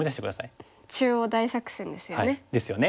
中央大作戦ですよね。ですよね。